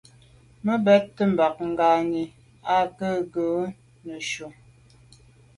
Me bumte bag ngankine à nke ngon neshu.